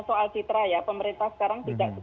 soal citra ya pemerintah sekarang tidak